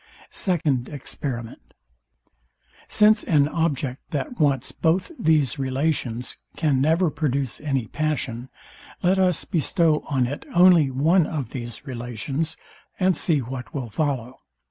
Second Experiment. Since an object, that wants both these relations can never produce any passion, let us bestow on it only one of these relations; and see what will follow.